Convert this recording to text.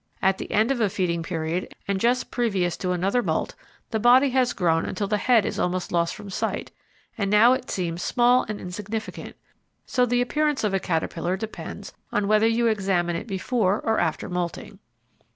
At the end of a feeding period and just previous to another moult the body has grown until the head is almost lost from sight, and it now seems small and insignificant; so that the appearance of a caterpillar depends on whether you examine it before or after moulting.